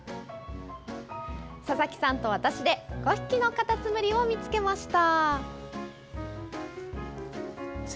佐々木さんと私で５匹のカタツムリを見つけました。